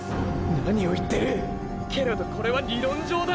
何を言ってる⁉けれどこれは理論上だ。